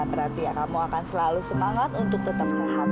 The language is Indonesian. berarti ya kamu akan selalu semangat untuk tetap sehat